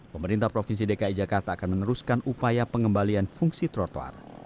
pemerintah provinsi dki jakarta akan meneruskan upaya pengembalian fungsi trotoar